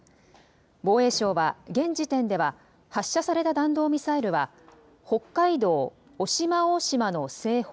防衛省は現時点では発射された弾道ミサイルは北海道渡島大島の西方